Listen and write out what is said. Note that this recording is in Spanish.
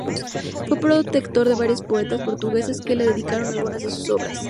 Fue protector de varios poetas portugueses, que le dedicaron algunas de sus obras.